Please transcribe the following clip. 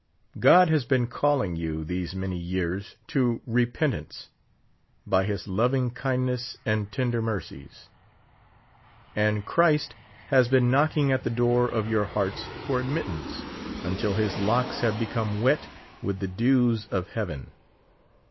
God has been calling you these many years to repentance, b}^ his loving kindness and tender mercies ; and Christ has been knocking at the door of your hearts for admittance, until his locks have become wet with the dews of heaven.